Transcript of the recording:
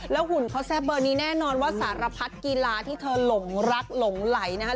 หุ่นเขาแซ่บเบอร์นี้แน่นอนว่าสารพัดกีฬาที่เธอหลงรักหลงไหลนะครับ